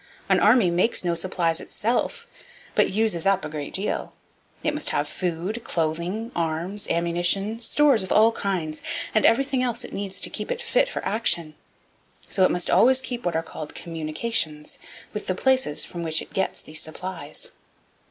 An army makes no supplies itself, but uses up a great deal. It must have food, clothing, arms, ammunition, stores of all kinds, and everything else it needs to keep it fit for action. So it must always keep what are called 'communications' with the places from which it gets these supplies.